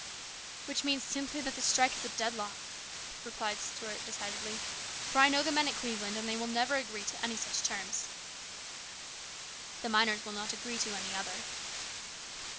"Which means simply that this strike is a deadlock," replied Stuart decidedly ;" for I know the men at Cleveland, and they will never agree to any such terms." "The miners will not agree to any other."